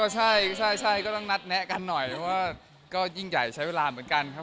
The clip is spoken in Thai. สั่งครับ